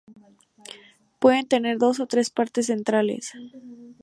Pueden tener dos o tres partes centrales.